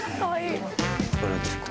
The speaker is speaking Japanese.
これ誰ですか？